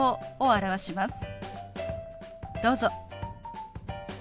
どうぞ。